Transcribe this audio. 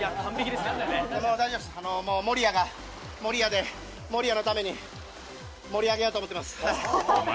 守谷が守谷で守屋のために「もりや」げようと思っています。